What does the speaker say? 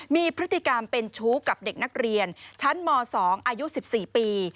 มีพฤติกรรมเป็นชู้กับเด็กนักเรียนชั้นม๒อายุ๑๔ปี